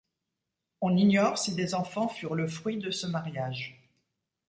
On ignore si des enfants furent le fruit de ce mariage.